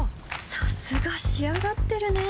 さすが仕上がってるね